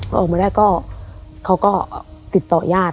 พอออกมาได้ก็เขาก็ติดต่อยาด